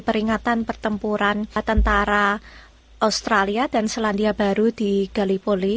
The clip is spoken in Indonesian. peringatan pertempuran tentara australia dan selandia baru di galipoly